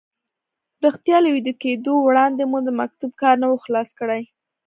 رښتیا له ویده کېدو وړاندې مو د مکتوب کار نه و خلاص کړی.